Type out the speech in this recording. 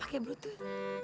gak gak gak bluetooth